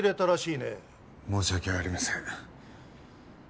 申し訳ありません。